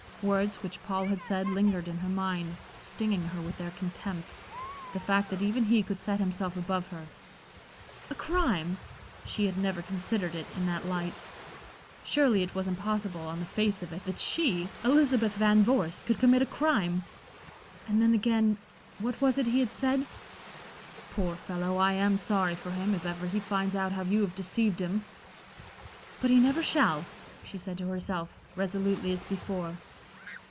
Words which Paul had said lingered in her mind, stinging her with their contempt, the fact that even he could set himself above her. "A crime!" She had never considered it in that light. Surely it was impossible on the face of it that she, Elizabeth Van Vorst, could commit a crime.... And then again what was it he had said? "Poor fellow, I am sorry for him, if ever he finds out how you have deceived him." "But he never shall," she said to herself, resolutely as before.